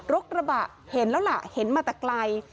กระบะเห็นแล้วล่ะเห็นมาแต่ไกล